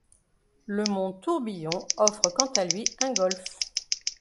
Le Mont-Tourbillon offre quant à lui un golf.